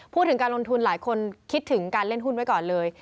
พูดถึงการลงทุนหลายคนคิดถึงการเล่นหุ้นไว้ก่อนเลย